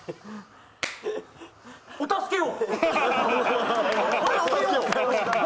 お助けを！